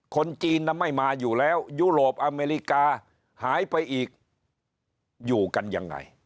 คนจีนไม่มาอยู่แล้วยุโรปอเมริกาหายไปอีกอยู่กันยังไง